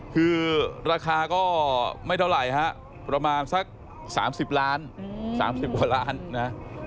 คือราคาก็ไม่เท่าไหร่ฮะประมาณสัก๓๐ล้าน๓๐กว่าล้านนะ